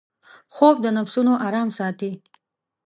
خوب د نفسونـو آرام ساتي